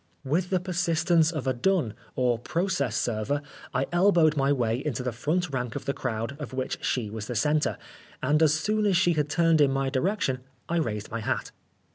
With the persistence of a dun, or process server, I elbowed my way into" the front rank of the crowd of which she was the centre, and as soon as she had turned in my direction I raised my hat.